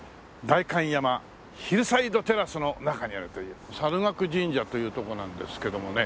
代官山ヒルサイドテラスの中にあるという猿楽神社というとこなんですけどもね。